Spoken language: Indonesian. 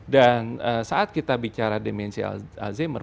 dan saat kita bicara demensi alzheimer